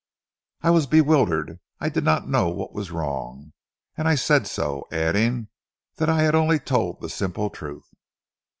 "I was bewildered. I did not know what was wrong, and I said so, adding that I had only told the simple truth.